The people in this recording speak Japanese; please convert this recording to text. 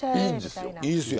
いいんですよ。